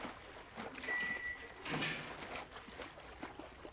Hlavním chrámem je katedrála Svaté Marie.